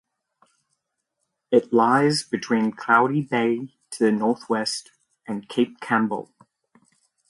It lies between Cloudy Bay to the northwest, and Cape Campbell.